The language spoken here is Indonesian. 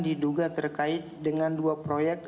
diduga terkait dengan dua proyek